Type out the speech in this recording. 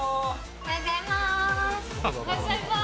おはようございます。